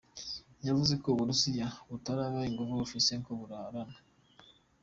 Yavuze ko Uburusiya butoraba inguvu bufise ngo burarame.